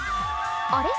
あれ？